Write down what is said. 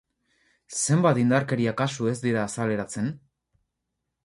Zenbat indarkeria kasu ez dira azaleratzen?